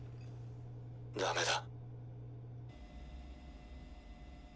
ダメだ。